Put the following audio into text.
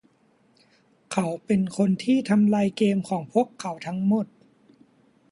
เขาเป็นคนที่ทำลายเกมของพวกเขาทั้งหมด